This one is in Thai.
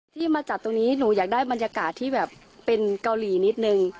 ที่มาจัดตรงนี้หนูอยากได้บรรยากาศที่แบบเป็นเกาหลีนิดนึง